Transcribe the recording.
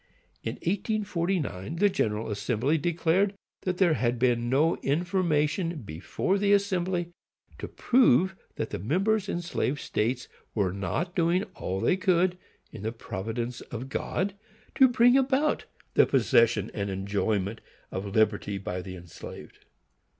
In 1849 the General Assembly declared that there had been no information before the Assembly to prove that the members in slave states were not doing all that they could, in the providence of God, to bring about the possession and enjoyment of liberty by the enslaved.